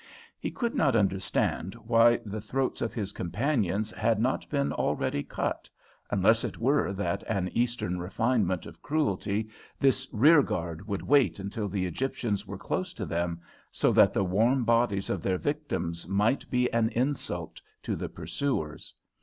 He could not understand why the throats of his companions had not been already cut, unless it were that with an Eastern refinement of cruelty this rearguard would wait until the Egyptians were close to them, so that the warm bodies of their victims might be an insult to the pursuers.